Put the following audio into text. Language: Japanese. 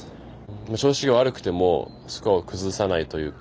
調子が悪くてもスコアを崩さないというか。